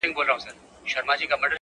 o ځم ورته را وړم ستوري په لپه كي،